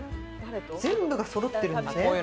全部がそろってるんですね。